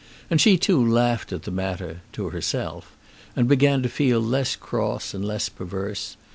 And she too laughed at the matter to herself, and began to feel less cross and less perverse.